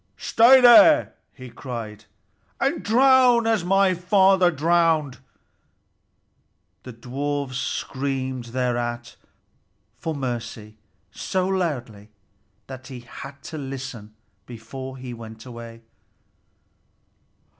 "Stay there," he cried, "and drown as my father drowned!" The dwarfs screamed thereat for mercy so loudly that he had to listen before he went away.